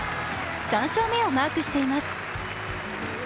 ３勝目をマークしています。